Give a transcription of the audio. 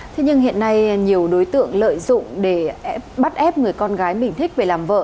thế nhưng hiện nay nhiều đối tượng lợi dụng để bắt ép người con gái mình thích về làm vợ